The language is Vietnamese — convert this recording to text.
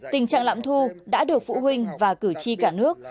tình trạng lạm thu đã được phụ huynh và cử tri cả nước